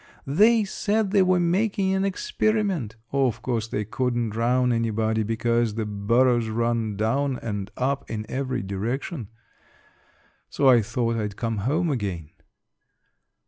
They said they were making an 'experiment.' Of course they couldn't drown anybody because the burrows run down and up in every direction. So I thought I'd come home again."